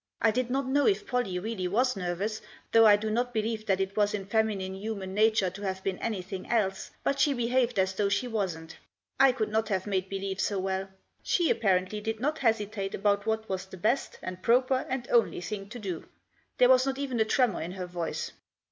I did not know if Pollie really was nervous, though I do not believe that it was in feminine human nature to have been anything else ; but she behaved as though she wasn't. I could not have made believe so well. She apparently did not hesitate about what was the best, and proper, and only thing to do. There was not even a tremor in her voice.